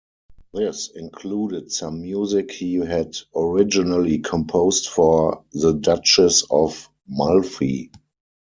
This included some music he had originally composed for "The Duchess of Malfi".